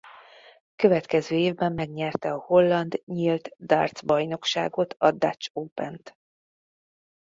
Következő évben megnyerte a holland nyílt darts bajnokságot a Dutch Opent.